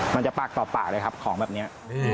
มันจะปากต่อปากเลยครับของแบบนี้